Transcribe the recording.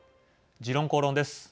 「時論公論」です。